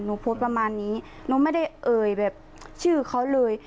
โพสต์ประมาณนี้หนูไม่ได้เอ่ยแบบชื่อเขาเลย